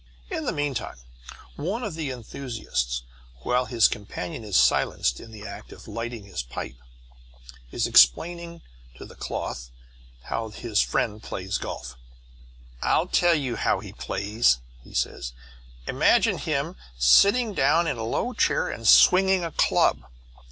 In the meantime, one of the enthusiasts (while his companion is silenced in the act of lighting his pipe) is explaining to the cloth how his friend plays golf. "I'll tell you how he plays," he says. "Imagine him sitting down in a low chair and swinging a club.